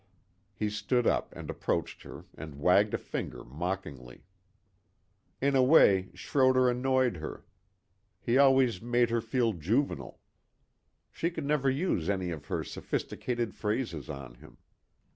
He stood up and approached her and wagged a finger mockingly. In a way Schroder annoyed her. He always made her feel juvenile. She could never use any of her sophisticated phrases on him.